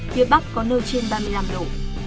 phía bắc có nơi trên ba mươi năm độ